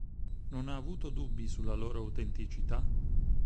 Non ha avuto dubbi sulla loro autenticità?